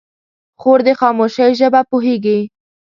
خور د خاموشۍ ژبه پوهېږي.